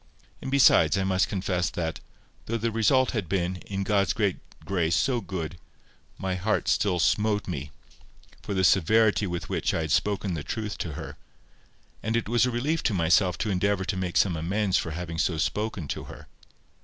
And, besides, I must confess that, although the result had been, in God's great grace, so good, my heart still smote me for the severity with which I had spoken the truth to her; and it was a relief to myself to endeavour to make some amends for having so spoken to her.